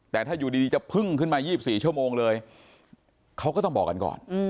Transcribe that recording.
แต่ถ้าอยู่ดีจะพึ่งขึ้นมา๒๔ชั่วโมงเลยเขาก็ต้องบอกกันก่อน